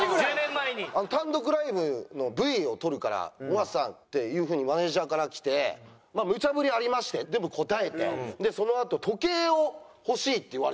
単独ライブのＶを撮るから尾形さんっていうふうにマネジャーから来てむちゃぶりありましてでも応えてでそのあと「時計を欲しい」って言われたんですよ。